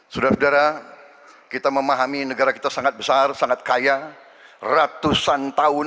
saudara saudara kita memahami negara kita sangat besar sangat kaya ratusan tahun